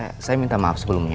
saya minta maaf sebelumnya